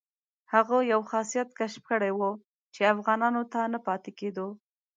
هغه یو خاصیت کشف کړی وو چې افغانانو ته نه پاتې کېدو.